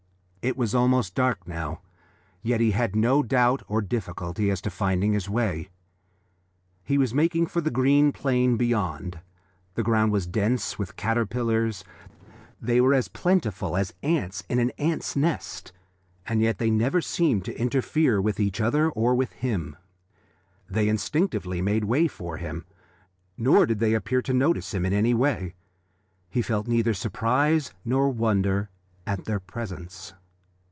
It was almost dark now, yet he had no doubt or difficulty as to finding his way. He was making for the green plain beyond. The ground was dense with caterpillars; they were as plentiful as ants in an ant's nest, and yet they never seemed to interfere with each other or with him; they instinctively made way for him, nor did they appear to notice him in any way. He felt neither surprise nor wonder at their presence.